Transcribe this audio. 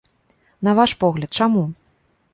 На ваш погляд, чаму?